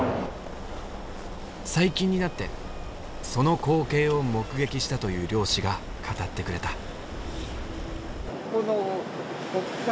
最近になってその光景を目撃したという漁師が語ってくれた。